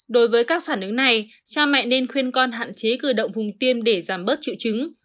đối với các phản ứng này cha mẹ nên khuyên con hạn chế cử động vùng tiêm để giảm bớt triệu chứng